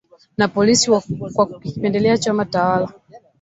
na polisi kwa kukipendelea chama tawala